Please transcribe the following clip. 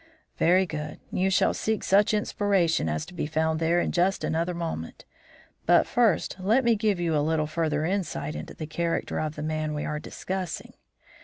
"Very good you shall seek such inspiration as is to be found there in just another moment. But first let me give you a little further insight into the character of the man we are discussing.